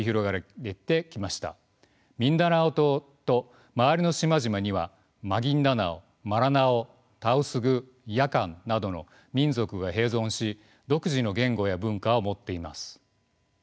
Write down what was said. ミンダナオ島と周りの島々にはマギンダナオマラナオタウスグヤカンなどの民族が併存し独自の言語や文化を持っています。